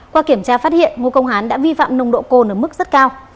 qua kiểm tra phát hiện ngô công hán đã vi phạm nồng độ cồn ở mức rất cao